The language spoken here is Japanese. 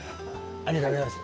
ありがとうございます。